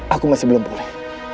aku masih belum pulih